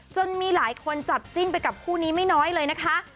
จนมีหลายคนจับจิ้นไปกับคู่นี้ไม่น้อยเลยนะคะ